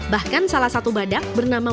bahkan salah satu badak bernama